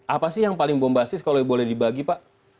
apa yang paling bombastis kalau boleh waggi pak